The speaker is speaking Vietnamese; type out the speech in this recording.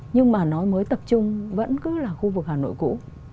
nhưng mà nói mới tập trung vẫn cứ là khu vực hà nội cũ